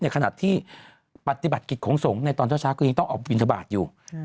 ขณะที่ปฏิบัติกิจของสงฆ์ในตอนเช้าก็ยังต้องออกบินทบาทอยู่